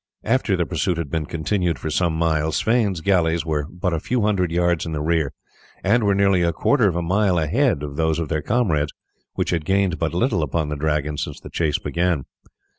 After the pursuit had been continued for some miles Sweyn's galleys were but a few hundred yards in the rear, and were nearly a quarter of a mile ahead of those of their comrades, which had gained but little upon the Dragon since the chase began.